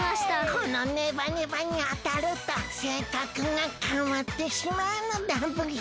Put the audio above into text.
このネバネバにあたるとせいかくがかわってしまうのだブヒ！